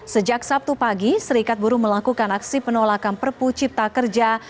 sejak sabtu pagi serikat buruh melakukan aksi penolakan perpu cipta kerja